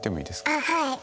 あっはい。